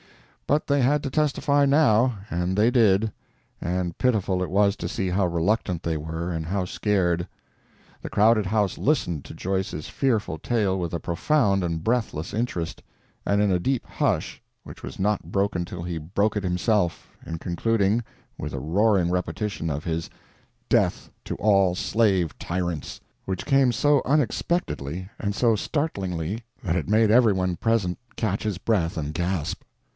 But they had to testify now, and they did—and pitiful it was to see how reluctant they were, and how scared. The crowded house listened to Joyce's fearful tale with a profound and breathless interest, and in a deep hush which was not broken till he broke it himself, in concluding, with a roaring repetition of his "Death to all slave tyrants!"—which came so unexpectedly and so startlingly that it made everyone present catch his breath and gasp.